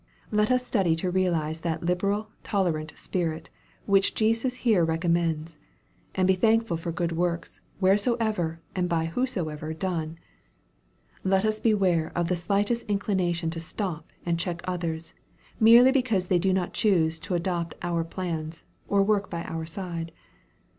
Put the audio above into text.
Let us study to realize that liberal, tolerant spirit which Jesus here recommends, and be thankful for good works wheresoever and by whosoever done. Let us beware of the slightest inclination to stop and check others, merely because they do not choose to adopt our plans, or work by our side.